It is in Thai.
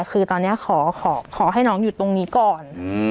คือตอนนี้ขอให้น้องอยู่ตรงนี้ก่อน